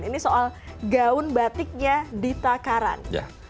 ini soal gaun batiknya dita karang